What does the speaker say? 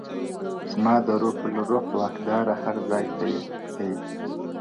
• زما د روح الروح واکداره هر ځای ته يې ـ ته يې ـ